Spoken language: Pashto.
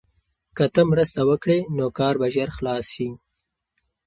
که ته مرسته وکړې نو کار به ژر خلاص شي.